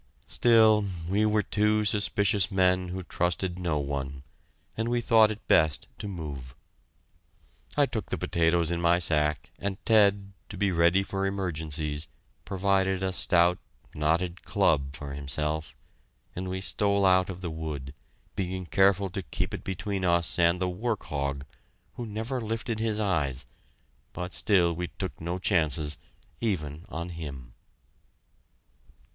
Still, we were two suspicious men who trusted no one, and we thought it best to move. I took the potatoes in my sack, and Ted, to be ready for emergencies, provided a stout, knotted club for himself, and we stole out of the wood, being careful to keep it between us and the "work hog," who never lifted his eyes but still we took no chances, even on him!